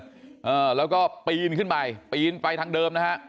อ่าแล้วก็ปีนขึ้นไปปีนไปทางเดิมนะฮะ